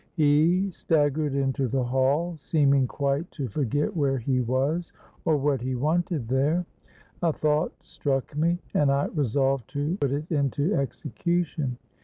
He staggered into the hall, seeming quite to forget where he was, or what he wanted there. A thought struck me, and I resolved to put it into execution.